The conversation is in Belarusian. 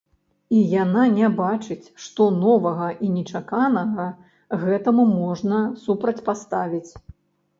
І яна не бачыць, што новага і нечаканага гэтаму можна супрацьпаставіць.